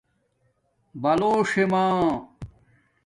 بلݽے مݳ